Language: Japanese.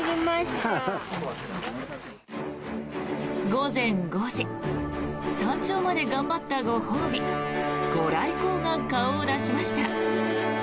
午前５時山頂まで頑張ったご褒美ご来光が顔を出しました。